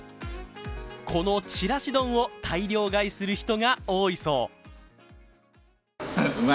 この、ちらし丼を大量買いする人が多いそう。